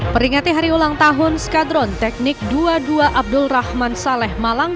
peringati hari ulang tahun skadron teknik dua puluh dua abdul rahman saleh malang